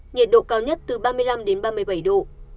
nhiệt độ cao nhất từ ba mươi năm đến ba mươi bảy độ